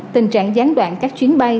tình trạng gián đoạn các chuyến bay